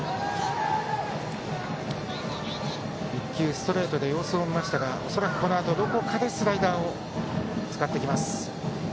１球、ストレートで様子を見ましたがこのあと恐らくどこかでスライダーを使ってきます。